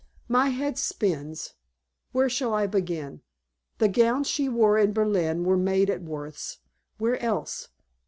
"My head spins. Where shall I begin? The gowns she wore in Berlin were made at Worth's. Where else?